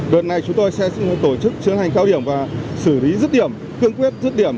đợt này chúng tôi sẽ tổ chức chương hành cao điểm và xử lý rứt điểm cương quyết dứt điểm